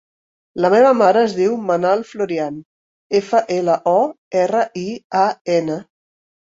La meva mare es diu Manal Florian: efa, ela, o, erra, i, a, ena.